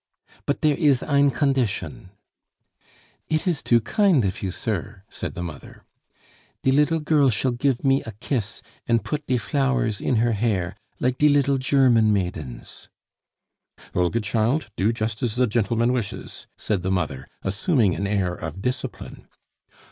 "But dere is ein condition " "It is too kind of you, sir," said the mother. "De liddle girl shall gif me a kiss and put die flowers in her hair, like die liddle German maidens " "Olga, child, do just as the gentleman wishes," said the mother, assuming an air of discipline.